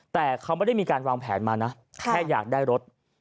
แต่เขาไม่ได้มีการวางแผนมานะแค่อยากได้รถ